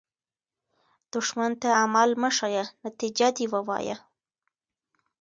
دښمن ته عمل مه ښیه، نتیجه دې ووایه